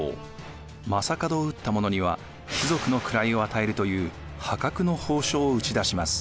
将門を討った者には貴族の位を与えるという破格の褒章を打ち出します。